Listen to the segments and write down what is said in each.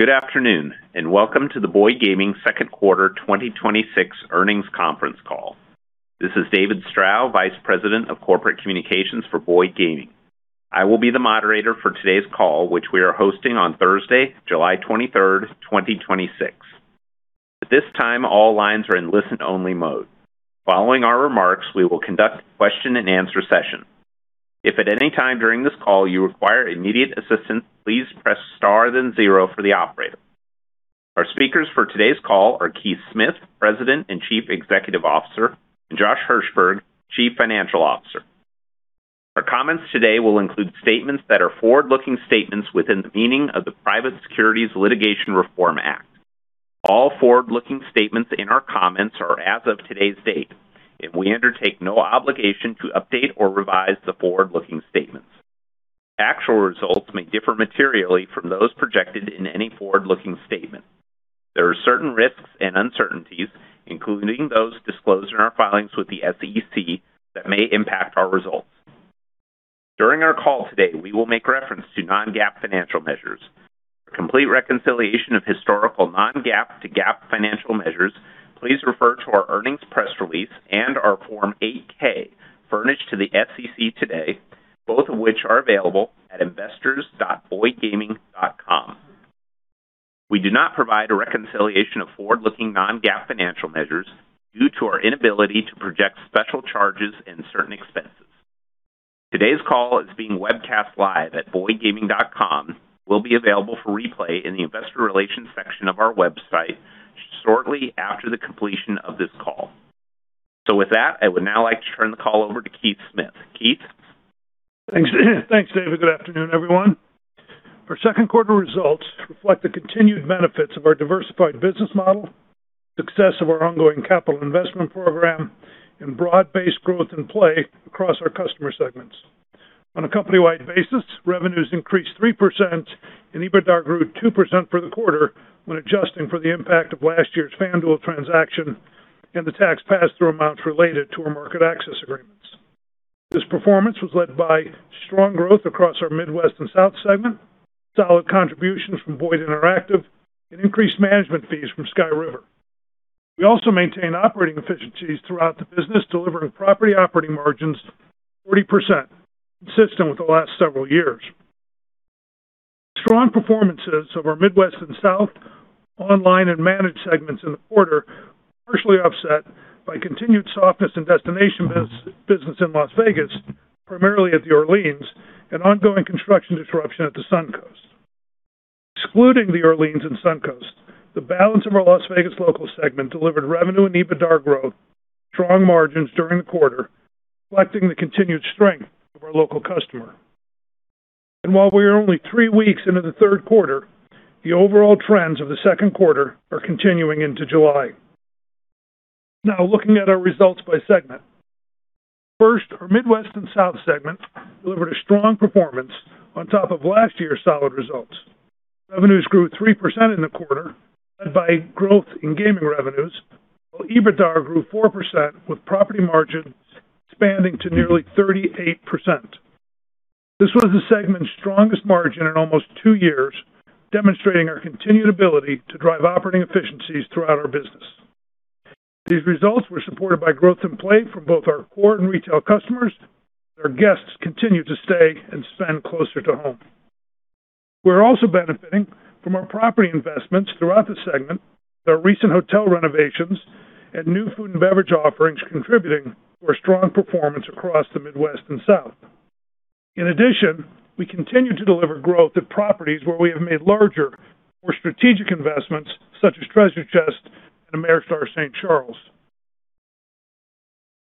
Good afternoon, and welcome to the Boyd Gaming Q2 2026 Earnings Conference Call. This is David Strow, Vice President of Corporate Communications for Boyd Gaming. I will be the moderator for today's call, which we are hosting on Thursday, July 23rd, 2026. At this time, all lines are in listen-only mode. Following our remarks, we will conduct a question-and-answer session. If at any time during this call you require immediate assistance, please press *0 for the operator. Our speakers for today's call are Keith Smith, President and Chief Executive Officer, and Josh Hirsberg, Chief Financial Officer. Our comments today will include statements that are forward-looking statements within the meaning of the Private Securities Litigation Reform Act. All forward-looking statements in our comments are as of today's date, and we undertake no obligation to update or revise the forward-looking statements. Actual results may differ materially from those projected in any forward-looking statement. There are certain risks and uncertainties, including those disclosed in our filings with the SEC, that may impact our results. During our call today, we will make reference to non-GAAP financial measures. For complete reconciliation of historical non-GAAP to GAAP financial measures, please refer to our earnings press release and our Form 8-K furnished to the SEC today, both of which are available at investors.boydgaming.com. We do not provide a reconciliation of forward-looking non-GAAP financial measures due to our inability to project special charges and certain expenses. Today's call is being webcast live at boydgaming.com, will be available for replay in the Investor Relations section of our website shortly after the completion of this call. With that, I would now like to turn the call over to Keith Smith. Keith? Thanks, David. Good afternoon, everyone. Our Q2 results reflect the continued benefits of our diversified business model, success of our ongoing capital investment program, and broad-based growth in play across our customer segments. On a company-wide basis, revenues increased 3% and EBITDA grew 2% for the quarter when adjusting for the impact of last year's FanDuel transaction and the tax pass-through amounts related to our market access agreements. This performance was led by strong growth across our Midwest and South segment, solid contributions from Boyd Interactive, and increased management fees from Sky River. We also maintain operating efficiencies throughout the business, delivering property operating margins 40%, consistent with the last several years. Strong performances of our Midwest and South online and managed segments in the quarter were partially offset by continued softness in destination business in Las Vegas, primarily at the Orleans, and ongoing construction disruption at the Suncoast. Excluding the Orleans and Suncoast, the balance of our Las Vegas locals segment delivered revenue and EBITDA growth, strong margins during the quarter, reflecting the continued strength of our local customer. While we are only three weeks into the Q3, the overall trends of the Q2 are continuing into July. Looking at our results by segment. First, our Midwest and South segment delivered a strong performance on top of last year's solid results. Revenues grew 3% in the quarter, led by growth in gaming revenues, while EBITDA grew 4% with property margins expanding to nearly 38%. This was the segment's strongest margin in almost two years, demonstrating our continued ability to drive operating efficiencies throughout our business. These results were supported by growth in play from both our core and retail customers. Our guests continue to stay and spend closer to home. We're also benefiting from our property investments throughout the segment. Our recent hotel renovations and new food and beverage offerings contributing to our strong performance across the Midwest & South. In addition, we continue to deliver growth at properties where we have made larger, more strategic investments such as Treasure Chest and Ameristar St. Charles.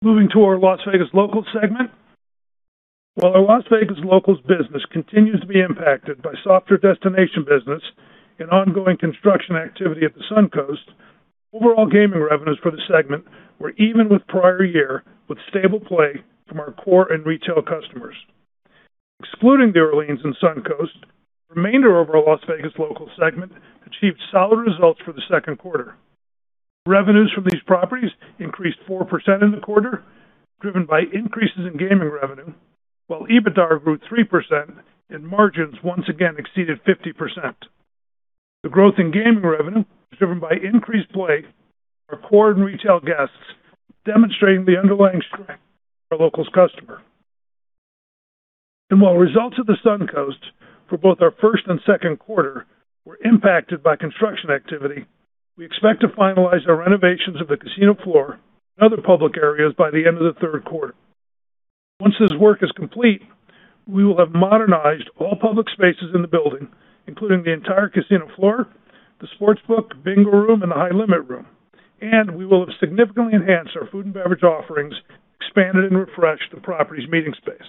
Moving to our Las Vegas Locals segment. While our Las Vegas Locals business continues to be impacted by softer destination business and ongoing construction activity at the Suncoast, overall gaming revenues for the segment were even with prior year, with stable play from our core and retail customers. Excluding the Orleans and Suncoast, the remainder of our Las Vegas Locals segment achieved solid results for the Q2. Revenues from these properties increased 4% in the quarter, driven by increases in gaming revenue, while EBITDA grew 3% and margins once again exceeded 50%. The growth in gaming revenue was driven by increased play from our core and retail guests, demonstrating the underlying strength of our Locals customer. While results at the Suncoast for both our first and Q2 were impacted by construction activity, we expect to finalize our renovations of the casino floor and other public areas by the end of the Q3. Once this work is complete, we will have modernized all public spaces in the building, including the entire casino floor, the sportsbook, bingo room, and the high-limit room. We will have significantly enhanced our food and beverage offerings, expanded and refreshed the property's meeting space.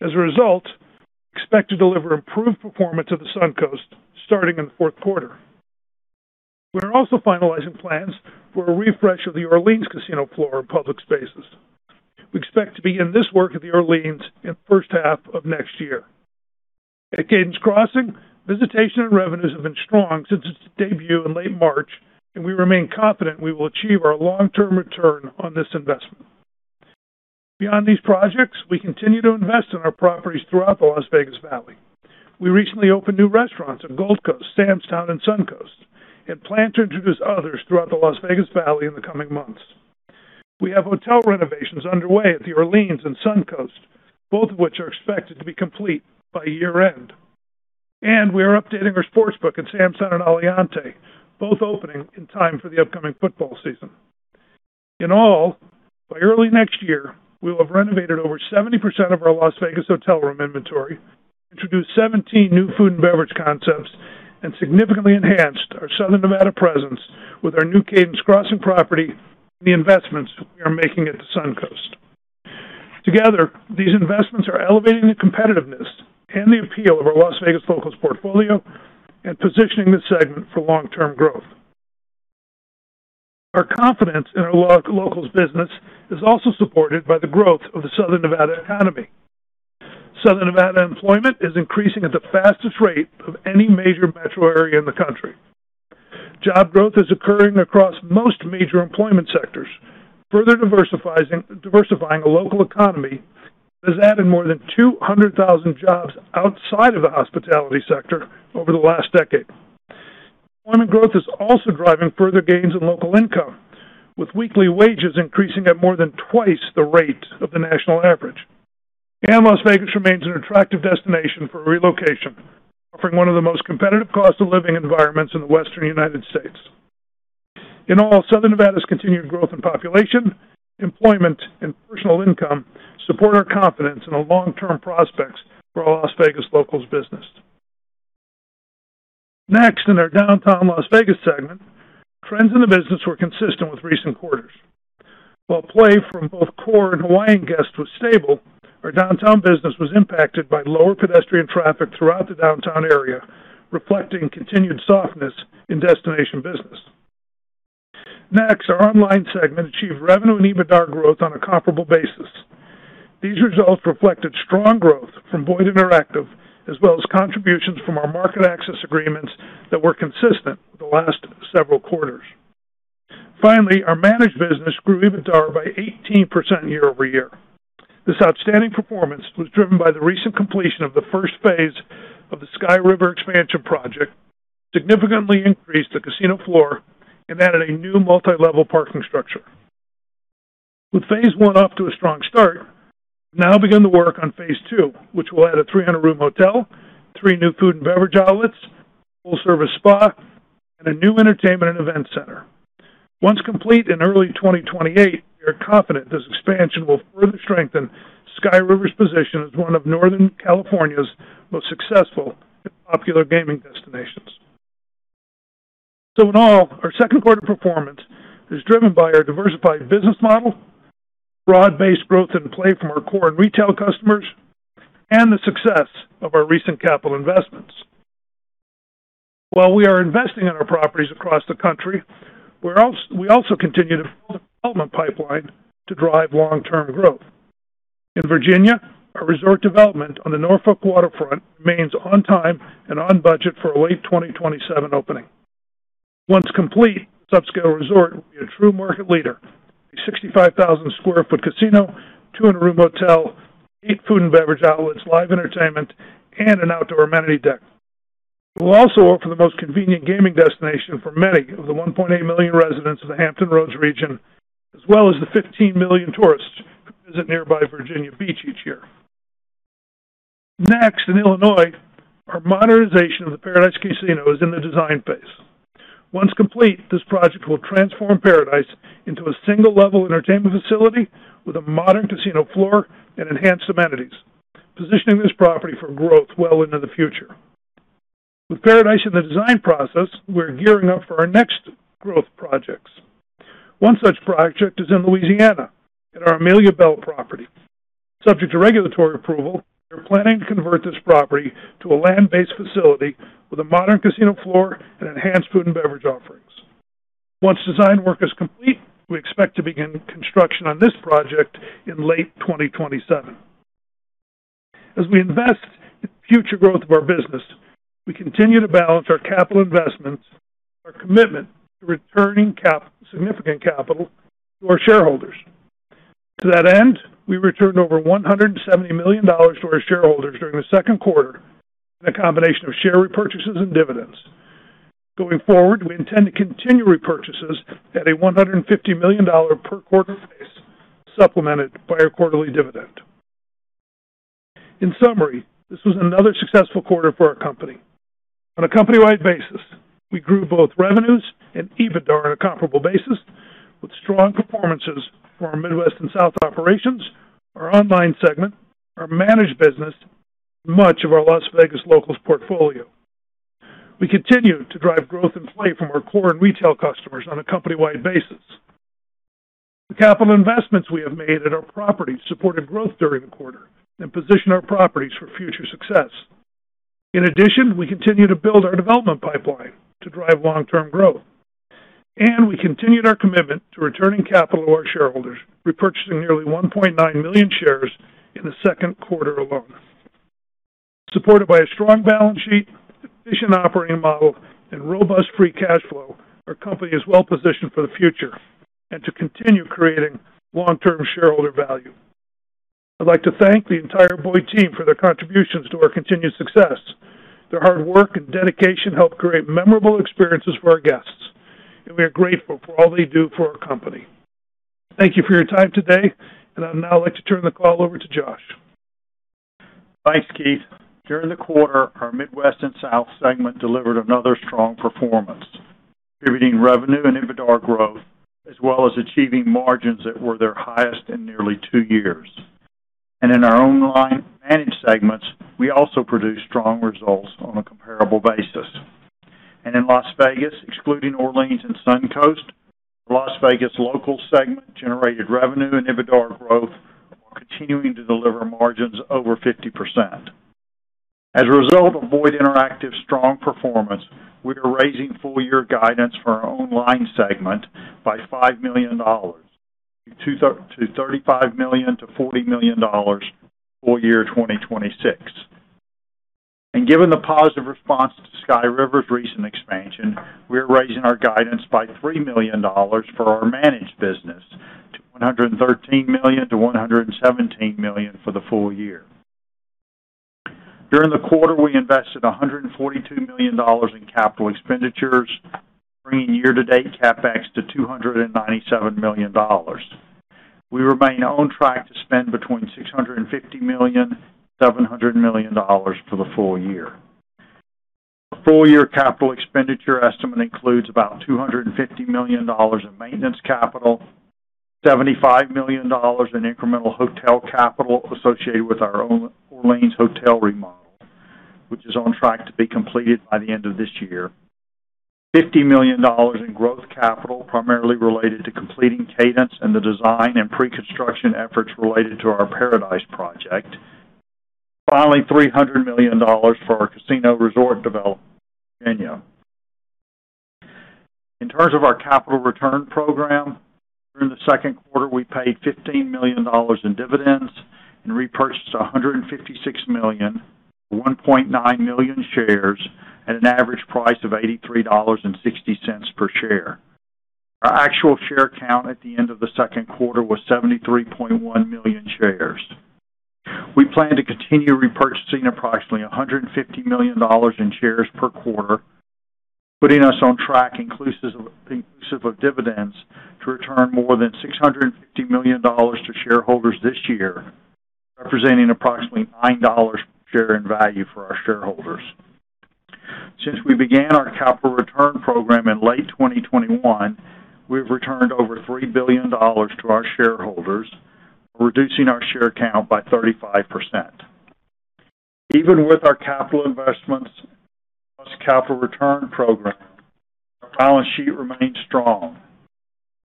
As a result, we expect to deliver improved performance of the Suncoast starting in the Q4. We are also finalizing plans for a refresh of the Orleans casino floor and public spaces. We expect to begin this work at the Orleans in the first half of next year. At Cadence Crossing, visitation and revenues have been strong since its debut in late March, and we remain confident we will achieve our long-term return on this investment. Beyond these projects, we continue to invest in our properties throughout the Las Vegas Valley. We recently opened new restaurants at Gold Coast, Sam's Town, and Suncoast, and plan to introduce others throughout the Las Vegas Valley in the coming months. We have hotel renovations underway at the Orleans and Suncoast, both of which are expected to be complete by year-end. We are updating our sports book at Sam's Town and Aliante, both opening in time for the upcoming football season. In all, by early next year, we will have renovated over 70% of our Las Vegas hotel room inventory, introduced 17 new food and beverage concepts, and significantly enhanced our Southern Nevada presence with our new Cadence Crossing property and the investments we are making at the Suncoast. Together, these investments are elevating the competitiveness and the appeal of our Las Vegas Locals portfolio and positioning this segment for long-term growth. Our confidence in our Locals business is also supported by the growth of the Southern Nevada economy. Southern Nevada employment is increasing at the fastest rate of any major metro area in the country. Job growth is occurring across most major employment sectors, further diversifying the local economy, that has added more than 200,000 jobs outside of the hospitality sector over the last decade. Employment growth is also driving further gains in local income, with weekly wages increasing at more than twice the rate of the national average. Las Vegas remains an attractive destination for relocation, offering one of the most competitive cost of living environments in the Western United States. In all, Southern Nevada's continued growth in population, employment, and personal income support our confidence in the long-term prospects for our Las Vegas Locals business. In our Downtown Las Vegas segment, trends in the business were consistent with recent quarters. While play from both core and Hawaiian guests was stable, our downtown business was impacted by lower pedestrian traffic throughout the downtown area, reflecting continued softness in destination business. Our online segment achieved revenue and EBITDA growth on a comparable basis. These results reflected strong growth from Boyd Interactive, as well as contributions from our market access agreements that were consistent with the last several quarters. Our managed business grew EBITDA by 18% year-over-year. This outstanding performance was driven by the recent completion of the first phase of the Sky River expansion project, significantly increased the casino floor, and added a new multi-level parking structure. With phase 1 off to a strong start, we've now begun the work on phase 2, which will add a 300-room hotel, three new food and beverage outlets, a full-service spa, and a new entertainment and event center. Once complete in early 2028, we are confident this expansion will further strengthen Sky River's position as one of Northern California's most successful and popular gaming destinations. In all, our Q2 performance is driven by our diversified business model, broad-based growth in play from our core and retail customers, and the success of our recent capital investments. While we are investing in our properties across the country, we also continue to grow the development pipeline to drive long-term growth. In Virginia, our resort development on the Norfolk waterfront remains on time and on budget for a late 2027 opening. Once complete, this upscale resort will be a true market leader with a 65,000 sq ft casino, 200-room hotel, eight food and beverage outlets, live entertainment, and an outdoor amenity deck. It will also offer the most convenient gaming destination for many of the 1.8 million residents of the Hampton Roads region, as well as the 15 million tourists who visit nearby Virginia Beach each year. In Illinois, our modernization of the Par-A-Dice Casino is in the design phase. Once complete, this project will transform Par-A-Dice into a single-level entertainment facility with a modern casino floor and enhanced amenities, positioning this property for growth well into the future. With Par-A-Dice in the design process, we are gearing up for our next growth projects. One such project is in Louisiana at our Amelia Belle property. Subject to regulatory approval, we are planning to convert this property to a land-based facility with a modern casino floor and enhanced food and beverage offerings. Once design work is complete, we expect to begin construction on this project in late 2027. As we invest in the future growth of our business, we continue to balance our capital investments with our commitment to returning significant capital to our shareholders. To that end, we returned over $170 million to our shareholders during the Q2 in a combination of share repurchases and dividends. Going forward, we intend to continue repurchases at a $150 million per quarter pace, supplemented by our quarterly dividend. In summary, this was another successful quarter for our company. On a company-wide basis, we grew both revenues and EBITDA on a comparable basis with strong performances from our Midwest & South operations, our online segment, our managed business, and much of our Las Vegas Locals portfolio. We continue to drive growth in play from our core and retail customers on a company-wide basis. The capital investments we have made at our properties supported growth during the quarter and position our properties for future success. In addition, we continue to build our development pipeline to drive long-term growth. We continued our commitment to returning capital to our shareholders, repurchasing nearly 1.9 million shares in the Q2 alone. Supported by a strong balance sheet, efficient operating model, and robust free cash flow, our company is well positioned for the future and to continue creating long-term shareholder value. I'd like to thank the entire Boyd team for their contributions to our continued success. Their hard work and dedication help create memorable experiences for our guests, and we are grateful for all they do for our company. Thank you for your time today, and I'd now like to turn the call over to Josh. Thanks, Keith. During the quarter, our Midwest & South segment delivered another strong performance, delivering revenue and EBITDA growth, as well as achieving margins that were their highest in nearly two years. In our online managed segments, we also produced strong results on a comparable basis. In Las Vegas, excluding Orleans and Suncoast, Las Vegas local segment generated revenue and EBITDA growth while continuing to deliver margins over 50%. As a result of Boyd Interactive's strong performance, we are raising full-year guidance for our online segment by $5 million to $35 million-$40 million full year 2026. Given the positive response to Sky River's recent expansion, we are raising our guidance by $3 million for our managed business to $113 million-$117 million for the full year. During the quarter, we invested $142 million in capital expenditures, bringing year-to-date CapEx to $297 million. We remain on track to spend between $650 million and $700 million for the full year. Our full-year capital expenditure estimate includes about $250 million in maintenance capital, $75 million in incremental hotel capital associated with our Orleans hotel remodel, which is on track to be completed by the end of this year, $50 million in growth capital, primarily related to completing Cadence Crossing Casino and the design and pre-construction efforts related to our Par-A-Dice project. Finally, $300 million for our casino resort development in Virginia. In terms of our capital return program, during the Q2, we paid $15 million in dividends and repurchased $156 million to 1.9 million shares at an average price of $83.60 per share. Our actual share count at the end of the Q2 was 73.1 million shares. We plan to continue repurchasing approximately $150 million in shares per quarter, putting us on track, inclusive of dividends, to return more than $650 million to shareholders this year, representing approximately $9 per share in value for our shareholders. Since we began our capital return program in late 2021, we have returned over $3 billion to our shareholders, reducing our share count by 35%. Even with our capital investments plus capital return program, our balance sheet remains strong.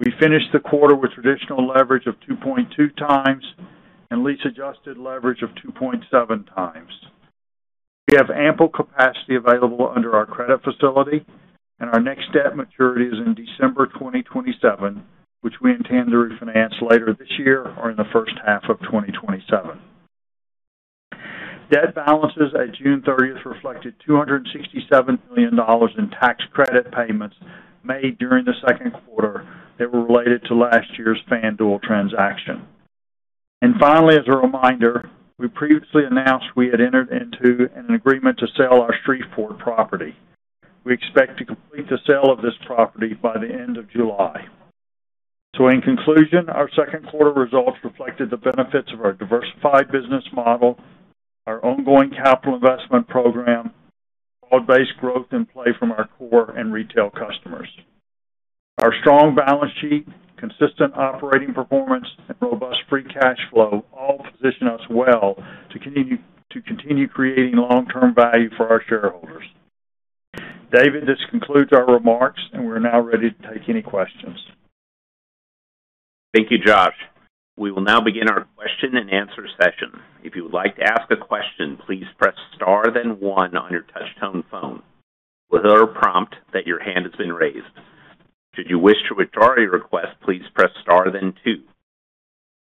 We finished the quarter with traditional leverage of 2.2x and lease-adjusted leverage of 2.7x. We have ample capacity available under our credit facility, and our next debt maturity is in December 2027, which we intend to refinance later this year or in the first half of 2027. Debt balances at June 30th reflected $267 million in tax credit payments made during the Q2 that were related to last year's FanDuel transaction. Finally, as a reminder, we previously announced we had entered into an agreement to sell our Shreveport property. We expect to complete the sale of this property by the end of July. In conclusion, our Q2 results reflected the benefits of our diversified business model, our ongoing capital investment program, broad-based growth in play from our core and retail customers. Our strong balance sheet, consistent operating performance, and robust free cash flow all position us well to continue creating long-term value for our shareholders. David, this concludes our remarks, and we're now ready to take any questions. Thank you, Josh. We will now begin our question-and-answer session. If you would like to ask a question, please press *1 on your touch-tone phone. We'll hear a prompt that your hand has been raised. Should you wish to withdraw your request, please press *2.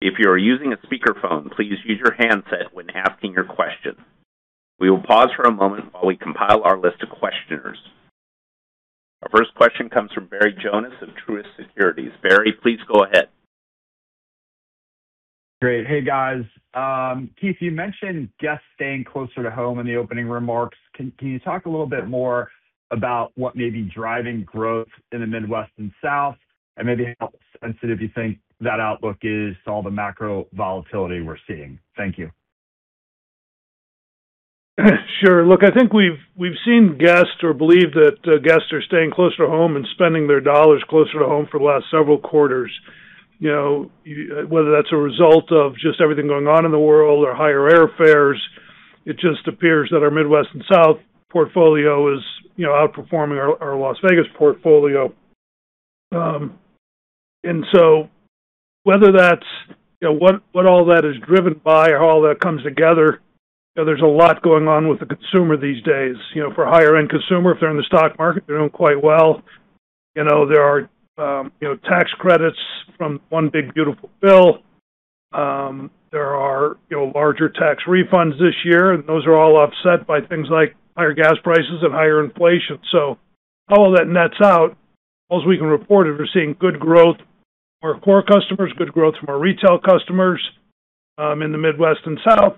If you are using a speakerphone, please use your handset when asking your question. We will pause for a moment while we compile our list of questioners. Our first question comes from Barry Jonas of Truist Securities. Barry, please go ahead. Great. Hey, guys. Keith, you mentioned guests staying closer to home in the opening remarks. Can you talk a little bit more about what may be driving growth in the Midwest & South and maybe how sensitive you think that outlook is to all the macro volatility we're seeing? Thank you. Sure. Look, I think we've seen guests or believe that guests are staying closer to home and spending their dollars closer to home for the last several quarters. Whether that's a result of just everything going on in the world or higher airfares, it just appears that our Midwest & South portfolio is outperforming our Las Vegas portfolio. Whether that's what all that is driven by or how all that comes together, there's a lot going on with the consumer these days. For higher-end consumer, if they're in the stock market, they're doing quite well. There are tax credits from one big beautiful bill. There are larger tax refunds this year, and those are all offset by things like higher gas prices and higher inflation. How will that nets out? All we can report is we're seeing good growth from our core customers, good growth from our retail customers in the Midwest & South.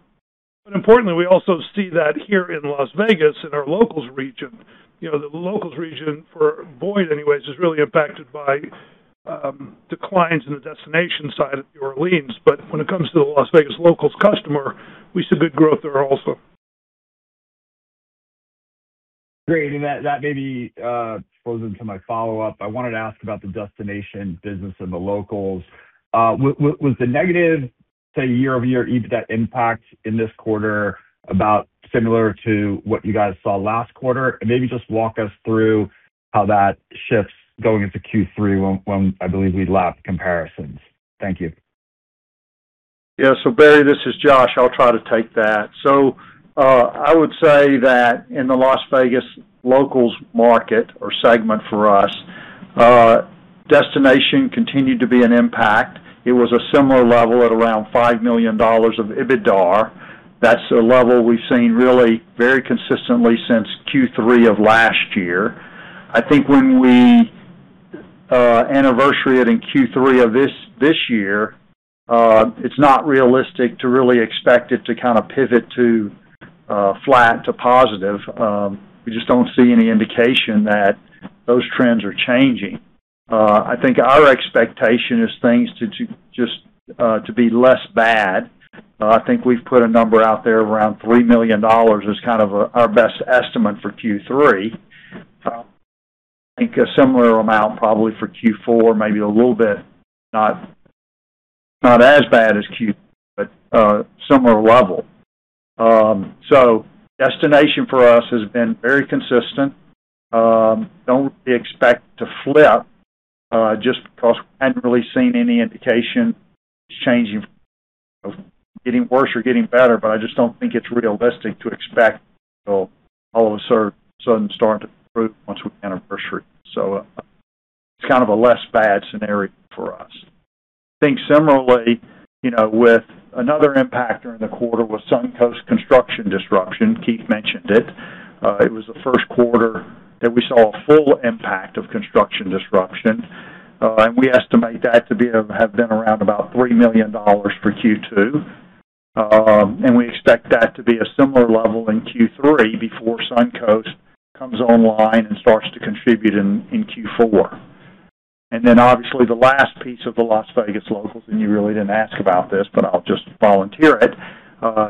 Importantly, we also see that here in Las Vegas, in our locals region. The locals region for Boyd, anyway, is really impacted by declines in the destination side of the Orleans. When it comes to the Las Vegas locals customer, we see good growth there also. Great. That maybe flows into my follow-up. I wanted to ask about the destination business and the locals. Was the negative, say, year-over-year EBITDA impact in this quarter about similar to what you guys saw last quarter? Maybe just walk us through how that shifts going into Q3 when, I believe we lap comparisons. Thank you. Yeah. Barry, this is Josh. I'll try to take that. I would say that in the Las Vegas locals market or segment for us, destination continued to be an impact. It was a similar level at around $5 million of EBITDAR. That's a level we've seen really very consistently since Q3 of last year. I think when we anniversary it in Q3 of this year, it's not realistic to really expect it to pivot to flat to positive. We just don't see any indication that those trends are changing. I think our expectation is things to be less bad. I think we've put a number out there around $3 million as our best estimate for Q3. I think a similar amount probably for Q4, maybe a little bit, not as bad as Q3, but similar level. Destination for us has been very consistent. Don't really expect to flip, just because we hadn't really seen any indication it's changing, getting worse or getting better, but I just don't think it's realistic to expect it to all of a sudden start to improve once we anniversary. It's kind of a less bad scenario for us. I think similarly, with another impact during the quarter was Suncoast construction disruption. Keith mentioned it. It was the Q1 that we saw a full impact of construction disruption. We estimate that to have been around about $3 million for Q2. We expect that to be a similar level in Q3 before Suncoast comes online and starts to contribute in Q4. Obviously the last piece of the Las Vegas locals, and you really didn't ask about this, but I'll just volunteer it,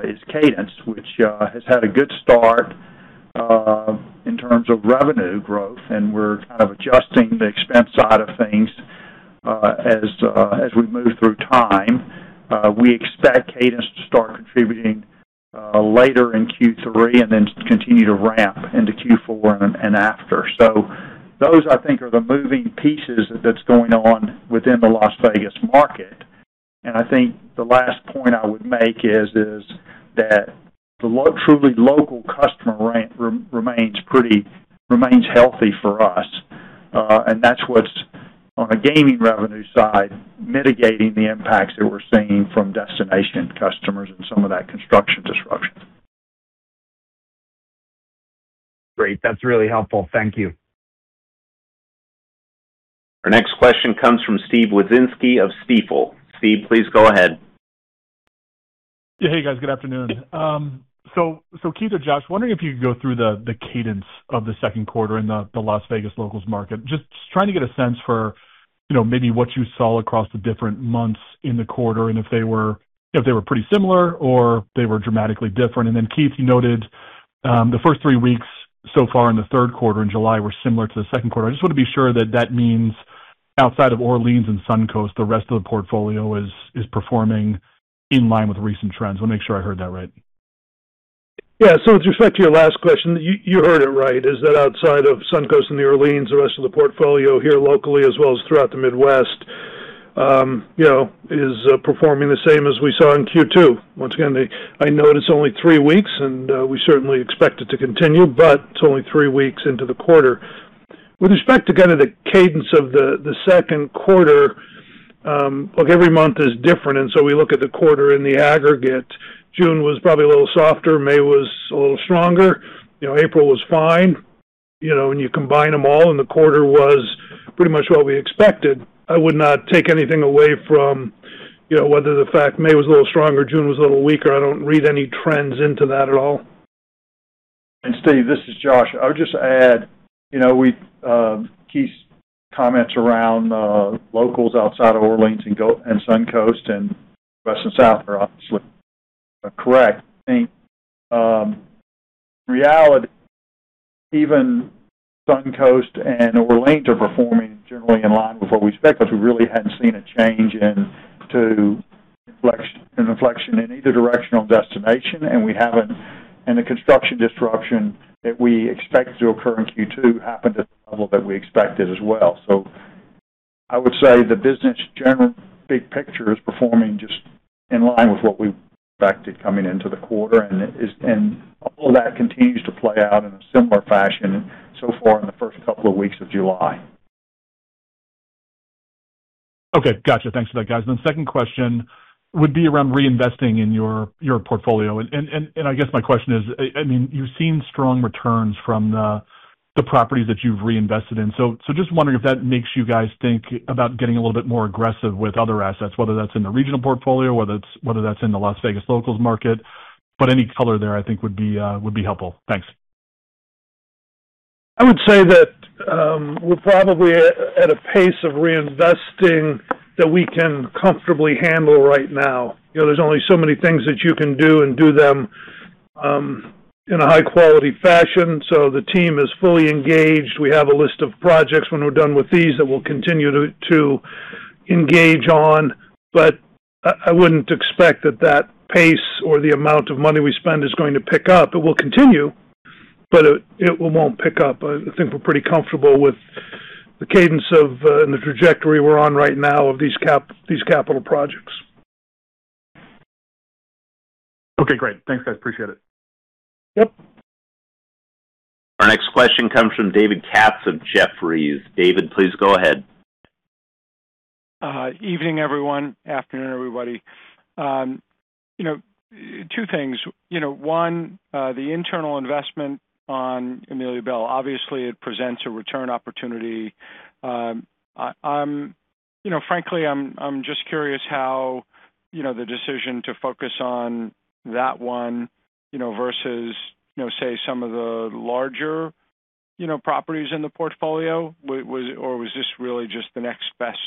is Cadence, which has had a good start in terms of revenue growth, and we're kind of adjusting the expense side of things as we move through time. We expect Cadence to start contributing later in Q3 and then continue to ramp into Q4 and after. Those, I think, are the moving pieces that's going on within the Las Vegas market. I think the last point I would make is that the truly local customer remains healthy for us. That's what's, on a gaming revenue side, mitigating the impacts that we're seeing from destination customers and some of that construction disruption. Great. That's really helpful. Thank you. Our next question comes from Steven Wieczynski of Stifel. Steve, please go ahead. Yeah. Hey, guys. Good afternoon. Keith or Josh, wondering if you could go through the cadence of the Q2 in the Las Vegas locals market. Just trying to get a sense for maybe what you saw across the different months in the quarter, and if they were pretty similar or they were dramatically different. Keith, you noted the first three weeks so far in the Q3 in July were similar to the Q2. I just want to be sure that that means outside of Orleans and Suncoast, the rest of the portfolio is performing in line with recent trends. Want to make sure I heard that right. Yeah. With respect to your last question, you heard it right, is that outside of Suncoast and the Orleans, the rest of the portfolio here locally as well as throughout the Midwest, is performing the same as we saw in Q2. Once again, I know it's only three weeks, and we certainly expect it to continue, but it's only three weeks into the quarter. With respect to kind of the cadence of the Q2, look, every month is different. We look at the quarter in the aggregate. June was probably a little softer. May was a little stronger. April was fine. When you combine them all, the quarter was pretty much what we expected, I would not take anything away from whether the fact May was a little stronger, June was a little weaker. I don't read any trends into that at all. Steve, this is Josh. I would just add, Keith's comments around locals outside of Orleans and Suncoast and West and South are obviously correct. I think, in reality, even Suncoast and Orleans are performing generally in line with what we expect because we really hadn't seen a change in inflection in either direction on destination. The construction disruption that we expected to occur in Q2 happened at the level that we expected as well. I would say the business general big picture is performing just in line with what we expected coming into the quarter. All that continues to play out in a similar fashion so far in the first couple of weeks of July. Okay, got you. Thanks for that, guys. The second question would be around reinvesting in your portfolio. I guess my question is, you've seen strong returns from the properties that you've reinvested in. Just wondering if that makes you guys think about getting a little bit more aggressive with other assets, whether that's in the regional portfolio, whether that's in the Las Vegas locals market. Any color there I think would be helpful. Thanks. I would say that we're probably at a pace of reinvesting that we can comfortably handle right now. There's only so many things that you can do and do them in a high-quality fashion. The team is fully engaged. We have a list of projects when we're done with these that we'll continue to engage on. I wouldn't expect that that pace or the amount of money we spend is going to pick up. It will continue, but it won't pick up. I think we're pretty comfortable with the cadence of and the trajectory we're on right now of these capital projects. Okay, great. Thanks, guys. Appreciate it. Yep. Our next question comes from David Katz of Jefferies. David, please go ahead. Evening, everyone. Afternoon, everybody. Two things. One, the internal investment on Amelia Belle obviously presents a return opportunity. Frankly, I'm just curious how the decision to focus on that one versus, say, some of the larger properties in the portfolio. Was this really just the next best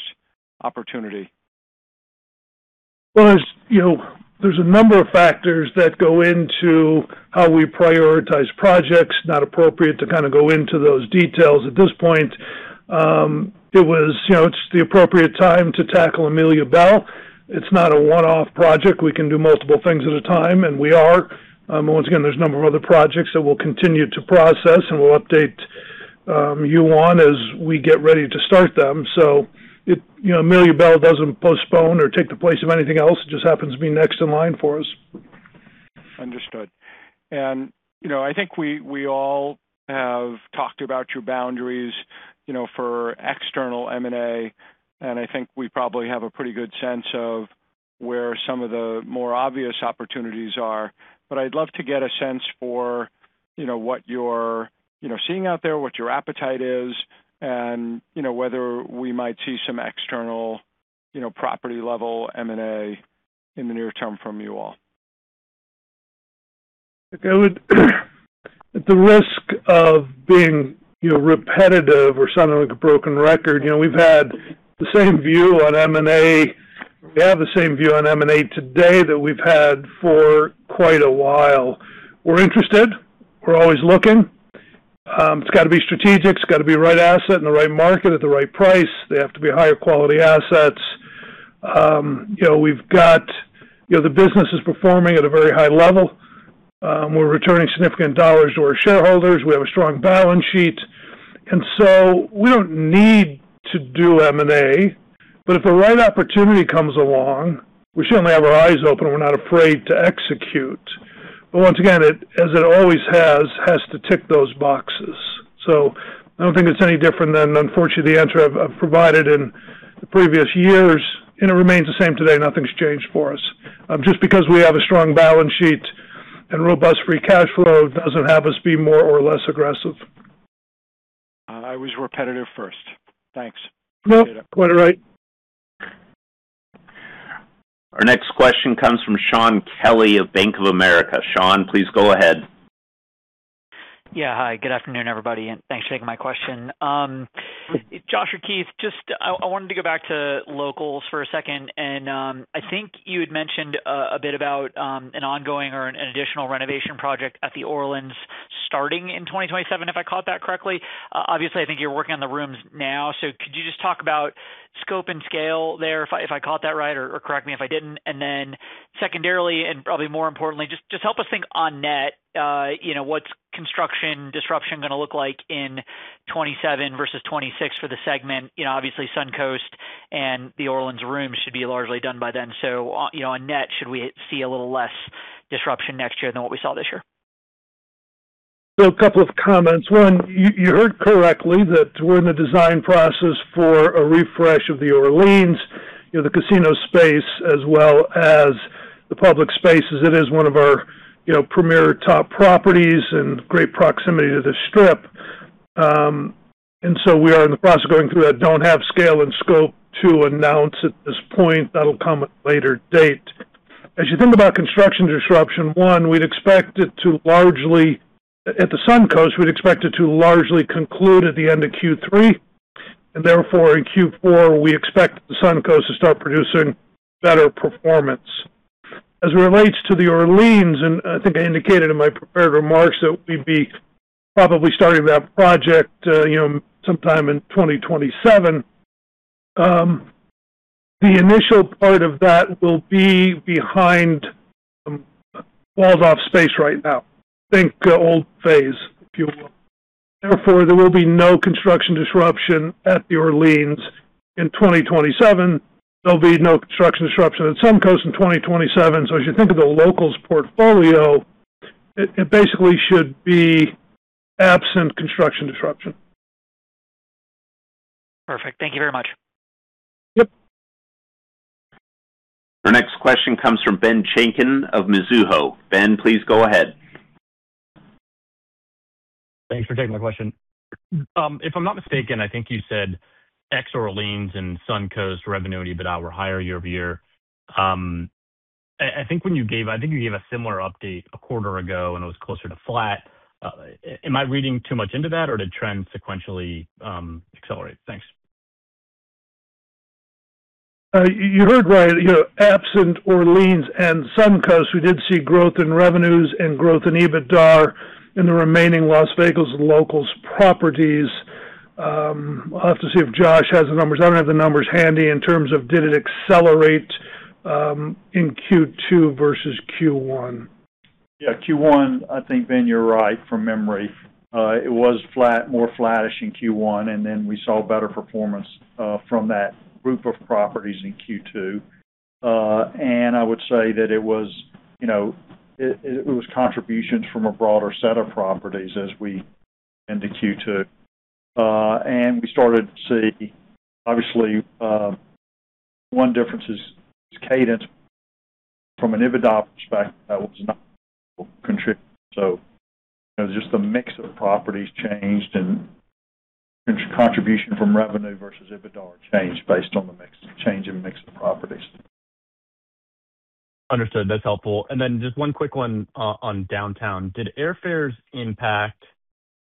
opportunity? Well, there's a number of factors that go into how we prioritize projects, not appropriate to go into those details at this point. It's the appropriate time to tackle Amelia Belle. It's not a one-off project. We can do multiple things at a time, and we are. Once again, there's a number of other projects that we'll continue to process, and we'll update you on as we get ready to start them. Amelia Belle doesn't postpone or take the place of anything else. It just happens to be next in line for us. Understood. I think we all have talked about your boundaries for external M&A, and I think we probably have a pretty good sense of where some of the more obvious opportunities are. I'd love to get a sense for what you're seeing out there, what your appetite is, and whether we might see some external property-level M&A in the near term from you all. At the risk of being repetitive or sounding like a broken record, we have the same view on M&A today that we've had for quite a while. We're interested. We're always looking. It's got to be strategic. It's got to be the right asset in the right market at the right price. They have to be higher-quality assets. The business is performing at a very high level. We're returning significant dollars to our shareholders. We have a strong balance sheet. We don't need to do M&A. If the right opportunity comes along, we certainly have our eyes open, and we're not afraid to execute. Once again, as it always has to tick those boxes. I don't think it's any different than, unfortunately, the answer I've provided in the previous years, and it remains the same today. Nothing's changed for us. Just because we have a strong balance sheet and robust free cash flow doesn't have us be more or less aggressive. I was repetitive first. Thanks. No, quite all right. Our next question comes from Shaun Kelley of Bank of America. Shaun, please go ahead. Yeah. Hi, good afternoon, everybody, and thanks for taking my question. Josh or Keith, I wanted to go back to locals for a second. I think you had mentioned a bit about an ongoing or an additional renovation project at the Orleans starting in 2027, if I caught that correctly. Obviously, I think you're working on the rooms now. Could you just talk about scope and scale there if I caught that right, or correct me if I didn't. Secondarily, and probably more importantly, just help us think on net what's construction disruption going to look like in 2027 versus 2026 for the segment. Obviously, Suncoast and the Orleans rooms should be largely done by then. On net, should we see a little less disruption next year than what we saw this year? A couple of comments. One, you heard correctly that we're in the design process for a refresh of the Orleans, the casino space as well as the public spaces. It is one of our premier top properties in great proximity to the Strip. We are in the process of going through that. Don't have scale and scope to announce at this point. That'll come at a later date. As you think about construction disruption, one, at the Suncoast, we'd expect it to largely conclude at the end of Q3. In Q4, we expect the Suncoast to start producing better performance. As it relates to the Orleans, I think I indicated in my prepared remarks that we'd be probably starting that project sometime in 2027. The initial part of that will be behind walls off space right now. Think old phase, if you will. Therefore, there will be no construction disruption at the Orleans in 2027. There'll be no construction disruption at Suncoast in 2027. As you think of the locals portfolio, it basically should be absent construction disruption. Perfect. Thank you very much. Yep. Our next question comes from Ben Chaiken of Mizuho. Ben, please go ahead. Thanks for taking my question. If I'm not mistaken, I think you said ex Orleans and Suncoast revenue and EBITDAR were higher year-over-year. I think you gave a similar update a quarter ago, it was closer to flat. Am I reading too much into that, or did trends sequentially accelerate? Thanks. You heard right. Absent Orleans and Suncoast, we did see growth in revenues and growth in EBITDAR in the remaining Las Vegas and locals properties. I'll have to see if Josh has the numbers. I don't have the numbers handy in terms of did it accelerate in Q2 versus Q1. Yeah. Q1, I think, Ben, you're right from memory. It was more flattish in Q1, then we saw better performance from that group of properties in Q2. I would say that it was contributions from a broader set of properties as we end the Q2. We started to see, obviously, one difference is Cadence from an EBITDAR perspective, that was a notable contributor. Just the mix of properties changed and contribution from revenue versus EBITDAR changed based on the change in mix of properties. Understood. That's helpful. Just one quick one on Downtown. Did airfares impact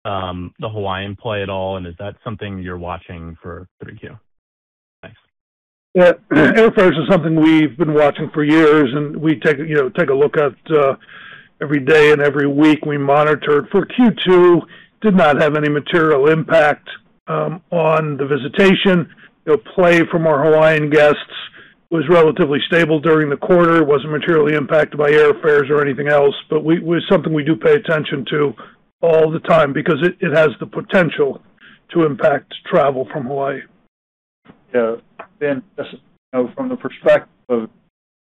the Hawaiian play at all, is that something you're watching for Q3? Thanks. Airfares is something we've been watching for years, we take a look at every day, every week we monitor. For Q2, did not have any material impact on the visitation. Play from our Hawaiian guests was relatively stable during the quarter. It wasn't materially impacted by airfares or anything else, it was something we do pay attention to all the time because it has the potential to impact travel from Hawaii. Ben, from the perspective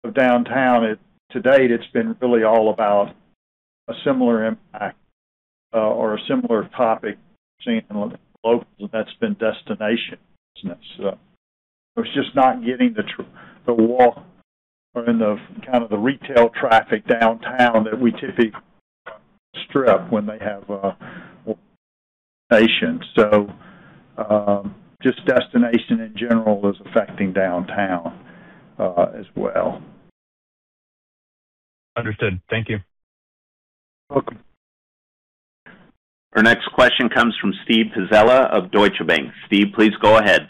of Downtown, to date, it's been really all about a similar impact or a similar topic we've seen in locals, that's been destination business. It's just not getting the walk or the retail traffic Downtown that we typically see on the Strip when they have a destination. Just destination in general is affecting Downtown as well. Understood. Thank you. Welcome. Our next question comes from Steven Pizzella of Deutsche Bank. Steve, please go ahead.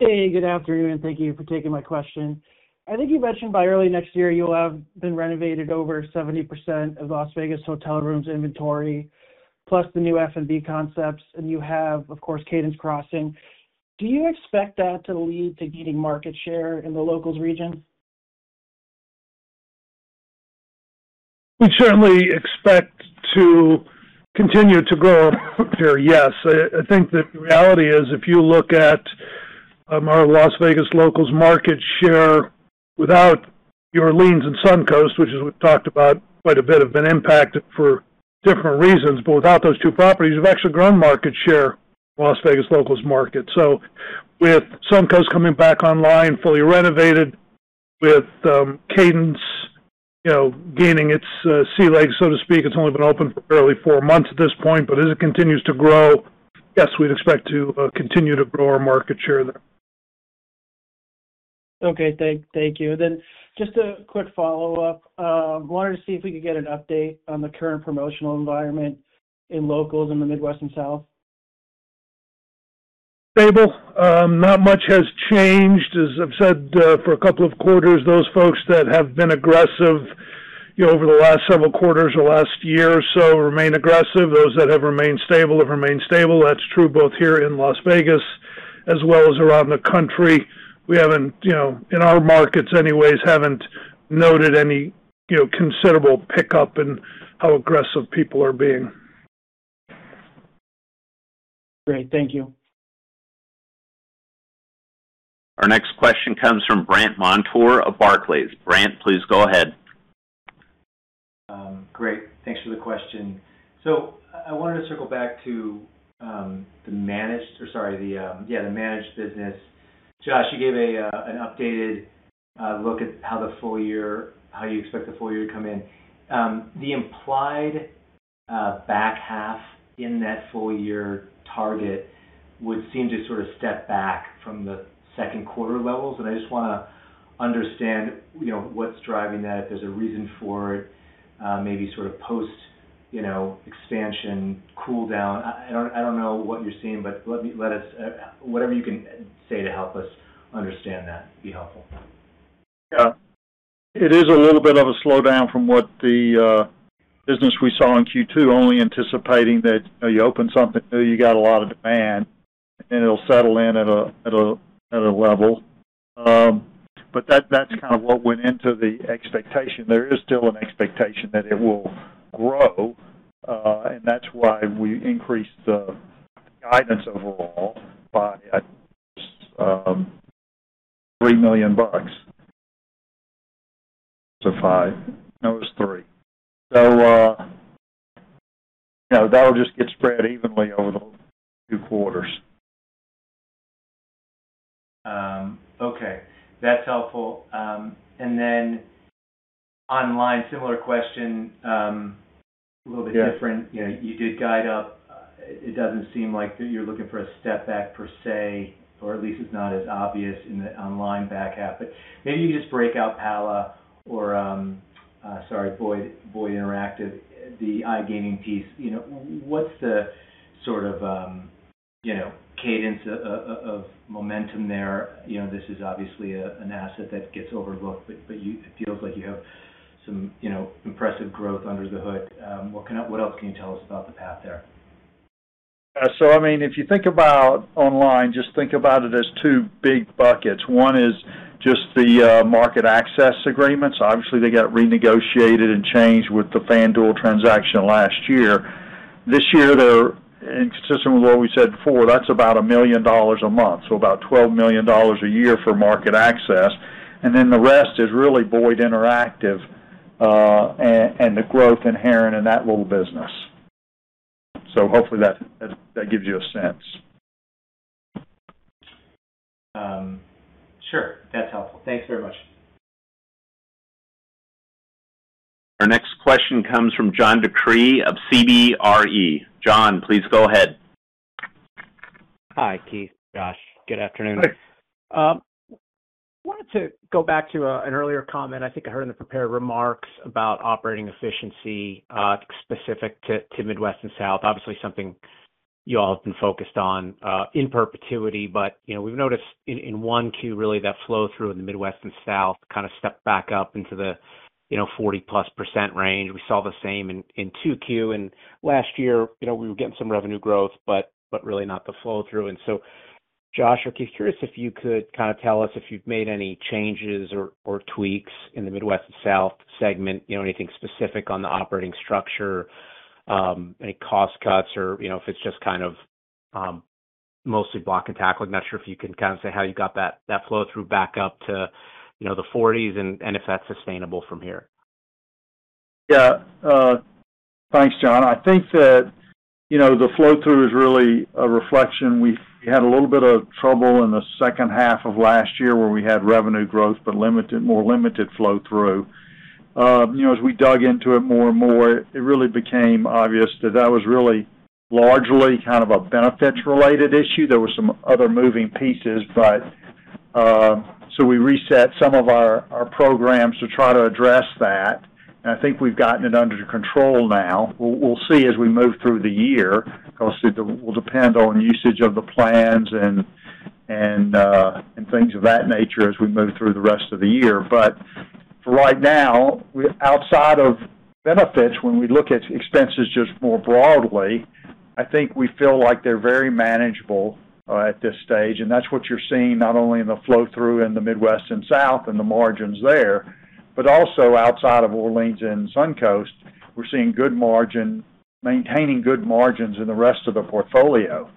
Hey, good afternoon, and thank you for taking my question. I think you mentioned by early next year, you'll have been renovated over 70% of Las Vegas hotel rooms inventory, plus the new F&B concepts, and you have, of course, Cadence Crossing. Do you expect that to lead to gaining market share in the locals region? We certainly expect to continue to grow our market share, yes. I think the reality is, if you look at our Las Vegas locals market share without your Orleans and Suncoast, which, as we've talked about quite a bit, have been impacted for different reasons. Without those two properties, we've actually grown market share in Las Vegas locals market. With Suncoast coming back online, fully renovated, with Cadence gaining its sea legs, so to speak. It's only been open for barely four months at this point, but as it continues to grow, yes, we'd expect to continue to grow our market share there. Okay. Thank you. Just a quick follow-up. Wanted to see if we could get an update on the current promotional environment in locals in the Midwest & South. Stable. Not much has changed. As I've said for a couple of quarters, those folks that have been aggressive over the last several quarters or last year or so remain aggressive. Those that have remained stable have remained stable. That's true both here in Las Vegas as well as around the country. We haven't, in our markets anyways, haven't noted any considerable pickup in how aggressive people are being. Great. Thank you. Our next question comes from Brandt Montour of Barclays. Brandt, please go ahead. Great. Thanks for the question. I wanted to circle back to the managed business. Josh, you gave an updated look at how you expect the full year to come in. The implied back half in that full year target would seem to sort of step back from the Q2 levels, and I just want to understand what's driving that, if there's a reason for it, maybe sort of post-expansion cool down. I don't know what you're seeing, but whatever you can say to help us understand that would be helpful. It is a little bit of a slowdown from what the business we saw in Q2, only anticipating that you open something new, you got a lot of demand, and it'll settle in at a level. That's kind of what went into the expectation. There is still an expectation that it will grow, and that's why we increased the guidance overall by $3 million. Was it $5 million? No, it was $3 million. That'll just get spread evenly over the two quarters. Okay, that's helpful. Then online, similar question, a little bit different. You did guide up. It doesn't seem like you're looking for a step back per se, or at least it's not as obvious in the online back half, but maybe you can just break out Pala or-- Sorry, Boyd Interactive, the iGaming piece. What's the sort of cadence of momentum there? This is obviously an asset that gets overlooked, but it feels like you have some impressive growth under the hood. What else can you tell us about the path there? If you think about online, just think about it as two big buckets. One is just the market access agreements. Obviously, they got renegotiated and changed with the FanDuel transaction last year. This year, they're consistent with what we said before, that's about $1 million a month, so about $12 million a year for market access. Then the rest is really Boyd Interactive, and the growth inherent in that little business. Hopefully that gives you a sense. Sure. That's helpful. Thanks very much. Our next question comes from John DeCree of CBRE. John, please go ahead. Hi, Keith, Josh. Good afternoon. Hi. I wanted to go back to an earlier comment I think I heard in the prepared remarks about operating efficiency specific to Midwest & South. Obviously, something you all have been focused on in perpetuity, but we've noticed in Q1, really, that flow through in the Midwest & South kind of stepped back up into the 40-plus% range. We saw the same in Q2. In last year, we were getting some revenue growth, but really not the flow through. Josh or Keith, curious if you could kind of tell us if you've made any changes or tweaks in the Midwest & South segment, anything specific on the operating structure, any cost cuts or if it's just kind of mostly block and tackle. I'm not sure if you can kind of say how you got that flow through back up to the 40s and if that's sustainable from here. Yeah. Thanks, John. I think that the flow through is really a reflection. We had a little bit of trouble in the second half of last year where we had revenue growth, but more limited flow through. As we dug into it more and more, it really became obvious that was really largely kind of a benefits-related issue. There were some other moving pieces, but we reset some of our programs to try to address that, and I think we've gotten it under control now. We'll see as we move through the year, because it will depend on usage of the plans and things of that nature as we move through the rest of the year. For right now, outside of benefits, when we look at expenses just more broadly, I think we feel like they're very manageable at this stage, and that's what you're seeing not only in the flow through in the Midwest & South and the margins there, but also outside of Orleans and Suncoast, we're seeing maintaining good margins in the rest of the portfolio,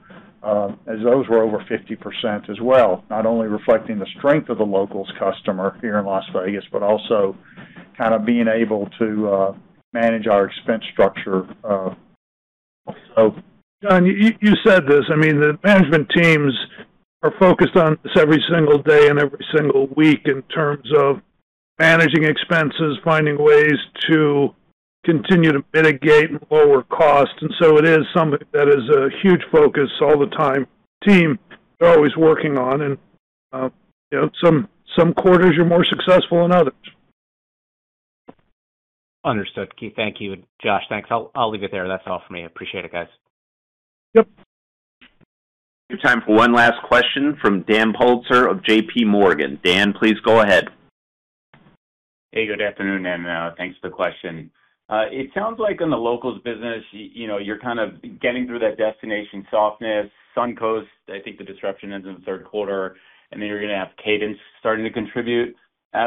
as those were over 50% as well, not only reflecting the strength of the locals customer here in Las Vegas, but also kind of being able to manage our expense structure. John, you said this, the management teams are focused on this every single day and every single week in terms of managing expenses, finding ways to continue to mitigate and lower costs. It is something that is a huge focus all the time. Team are always working on and some quarters are more successful than others. Understood, Keith. Thank you. Josh, thanks. I'll leave it there. That's all for me. Appreciate it, guys. Yep. We have time for one last question from Dan Politzer of JPMorgan. Dan, please go ahead. Hey, good afternoon, and thanks for the question. It sounds like on the locals business, you're kind of getting through that destination softness. Suncoast, I think the disruption ends in the Q3, then you're going to have cadence starting to contribute.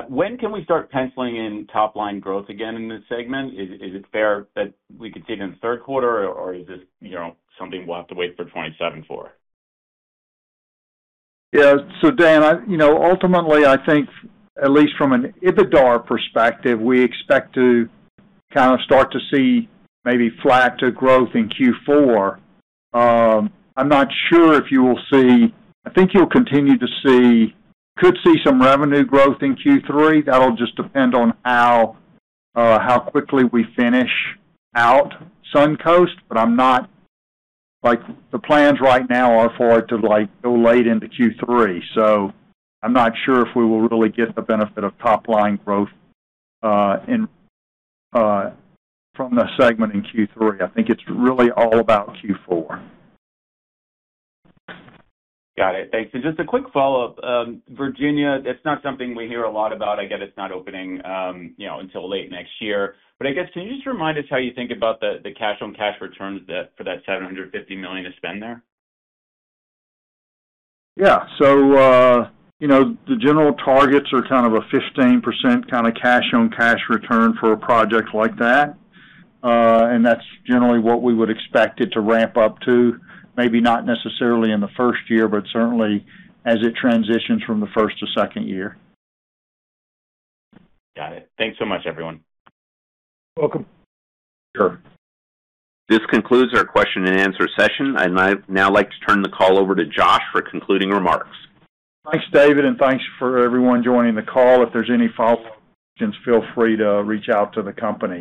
When can we start penciling in top-line growth again in this segment? Is it fair that we could see it in the Q3, or is this something we'll have to wait for 2027 for? Yeah. Dan, ultimately, I think at least from an EBITDAR perspective, we expect to kind of start to see maybe flat to growth in Q4. I'm not sure if you will see I think you'll continue to could see some revenue growth in Q3. That'll just depend on how quickly we finish out Suncoast. The plans right now are for it to go late into Q3. I'm not sure if we will really get the benefit of top-line growth from the segment in Q3. I think it's really all about Q4. Got it. Thanks. Just a quick follow-up. Virginia, it's not something we hear a lot about. I get it's not opening until late next year. I guess, can you just remind us how you think about the cash-on-cash returns for that $750 million of spend there? Yeah. The general targets are kind of a 15% kind of cash-on-cash return for a project like that. That's generally what we would expect it to ramp up to, maybe not necessarily in the first year, but certainly as it transitions from the first to second year. Got it. Thanks so much, everyone. Welcome. This concludes our question-and-answer session. I'd now like to turn the call over to Josh for concluding remarks. Thanks, David, and thanks for everyone joining the call. If there's any follow-up questions, feel free to reach out to the company.